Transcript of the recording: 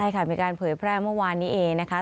ใช่ค่ะมีการเผยแพร่เมื่อวานนี้เองนะคะ